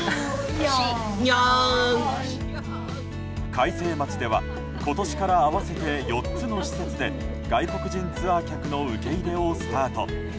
開成町では今年から合わせて４つの施設で外国人ツアー客の受け入れをスタート。